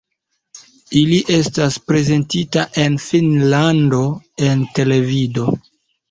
Ili estas prezentita en Finnlando en televido.